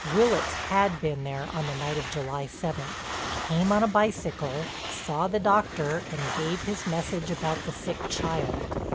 Willitts had been there on the night of July seventh, came on a bicycle, saw the doctor and gave his message about the sick child.